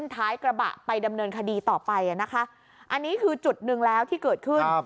ท้ายกระบะไปดำเนินคดีต่อไปนะคะอันนี้คือจุดหนึ่งแล้วที่เกิดขึ้น